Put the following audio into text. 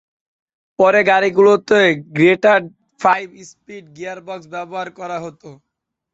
পরে গাড়িগুলোতে Getrag five speed gearbox ব্যবহার করা হতো।